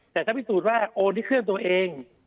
แต่ถ้าพิสูจน์ว่าโอนที่เครื่องตัวเอง